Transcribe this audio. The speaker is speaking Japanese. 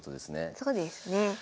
そうですね。